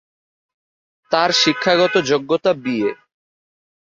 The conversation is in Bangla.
তার শিক্ষাগত যোগ্যতা বিএ।